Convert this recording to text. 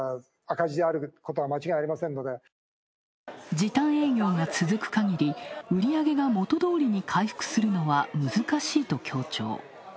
時短営業が続くかぎり、売り上げが元どおりに回復するのは難しいと強調。